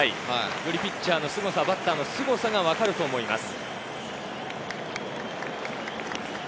ピッチャー、バッターのすごさが分かると思います。